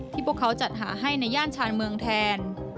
พวกเขาจัดหาให้ในย่านชานเมืองแทน